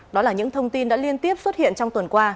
đó là những thông tin đã liên tiếp xuất hiện trong tuần qua